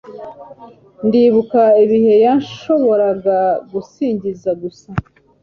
Ndibuka ibihe yashoboraga gusinzira gusa